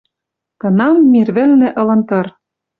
Кынам мир вӹлнӹ ылын тыр.